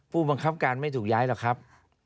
ผู้บังคับการไม่ถูกย้ายหรอกครับ